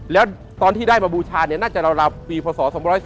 แล้วตอนที่ได้มาบูชาน่าจะราวปีพศ๒๔